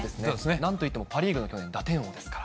なんといってもパ・リーグの打点王ですから。